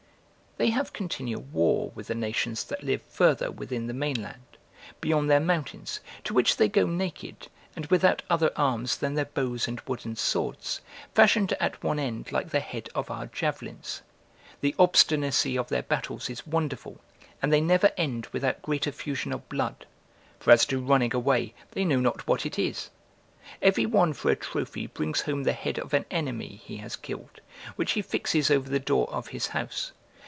They have continual war with the nations that live further within the mainland, beyond their mountains, to which they go naked, and without other arms than their bows and wooden swords, fashioned at one end like the head of our javelins. The obstinacy of their battles is wonderful, and they never end without great effusion of blood: for as to running away, they know not what it is. Every one for a trophy brings home the head of an enemy he has killed, which he fixes over the door of his house.